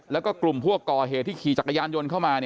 แล้วก็กลุ่มพวกก่อเหตุที่ขี่จักรยานยนต์เข้ามา